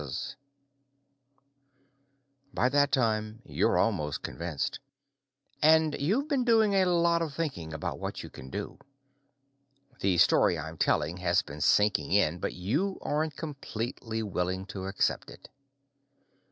By that time, you're almost convinced. And you've been doing a lot of thinking about what you can do. The story I'm telling has been sinking in, but you aren't completely willing to accept it.